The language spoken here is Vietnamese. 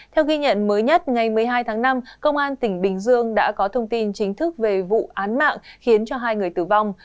theo ghi nhận mới nhất ngày một mươi hai tháng năm công an tỉnh bình dương đã có thông tin chính thức về vụ án mạng khiến cho hai người tử vong